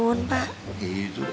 enjee pak manternun pak